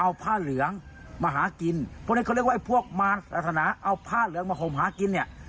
เอาผ้าเหลืองมาหากินเพราะฉะนั้นเขาเรียกว่าไอ้พวกมารศาสนาเอาผ้าเหลืองมาห่มหากินเนี่ย